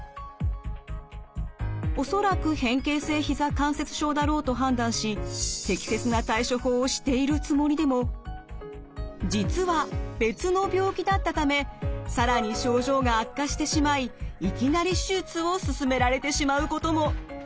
恐らく変形性ひざ関節症だろうと判断し実は別の病気だったため更に症状が悪化してしまいいきなり手術を勧められてしまうことも。